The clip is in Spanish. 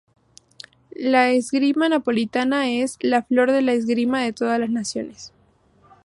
La esgrima napolitana es ""la flor de la esgrima de todas las naciones"".